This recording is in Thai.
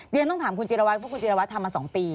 เรียนต้องถามคุณจิรวัตรเพราะคุณจิรวัตรทำมา๒ปี